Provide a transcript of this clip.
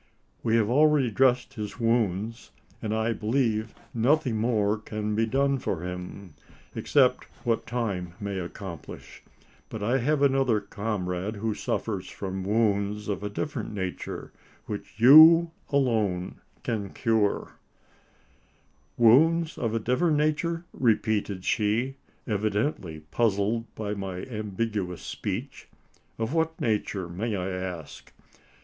"We have already dressed his wounds; and I believe nothing more can be done for him, except what time may accomplish. But I have another comrade who suffers from wounds of a different nature, which you alone can cure." "Wounds of a different nature?" repeated she, evidently puzzled by my ambiguous speech; "of what nature, may I ask?"